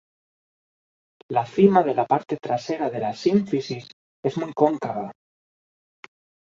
La cima de la parte trasera de la sínfisis es muy cóncava.